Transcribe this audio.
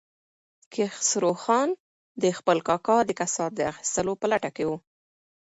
کیخسرو خان د خپل کاکا د کسات اخیستلو په لټه کې و.